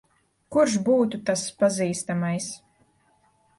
Kurš būtu tas pazīstamais?